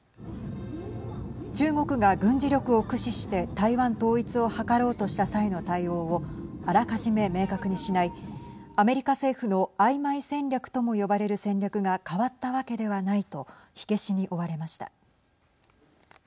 中国が軍事力を駆使して台湾統一を図ろうとした際の対応をあらかじめ明確にしないアメリカ政府のあいまい戦略とも呼ばれる戦略が変わったわけではないと火消しに追われました。